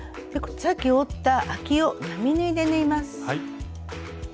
さっき折ったあきを並縫いで縫います。